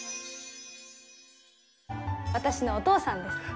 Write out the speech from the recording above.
私のお父さんです。